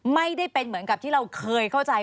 ไม่ได้เป็นเหมือนกับที่เราเคยเข้าใจ